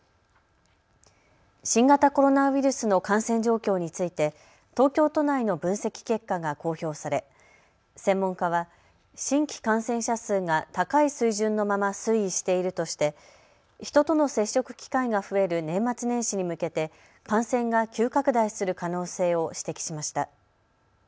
新型コロナウイルスの感染状況について東京都内の分析結果が公表され専門家は新規感染者数が高い水準のまま推移しているとして人との接触機会が増える年末年始に向けて感染が急拡大する可能性を指摘しました。